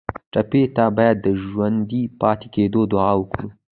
ټپي ته باید د ژوندي پاتې کېدو دعا وکړو.